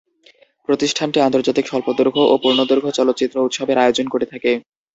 প্রতিষ্ঠানটি আন্তর্জাতিক স্বল্পদৈর্ঘ্য ও পূর্ণদৈর্ঘ্য চলচ্চিত্র উৎসবের আয়োজন করে থাকে।